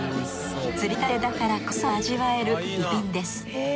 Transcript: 釣りたてだからこそ味わえる逸品です